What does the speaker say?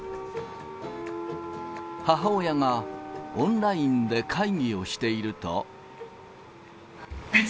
母親がオンラインで会議をしていると。